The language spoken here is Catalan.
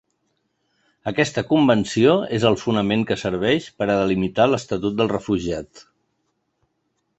Aquesta convenció és el fonament que serveix per a delimitar l’estatut del refugiat.